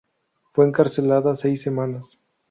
Fue encarcelada seis semanas.